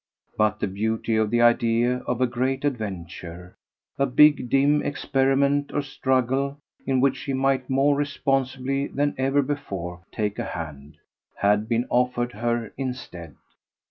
But the beauty of the idea of a great adventure, a big dim experiment or struggle in which she might more responsibly than ever before take a hand, had been offered her instead.